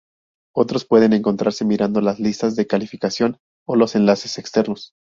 Otros pueden encontrarse mirando las listas de calificación o los enlaces externos.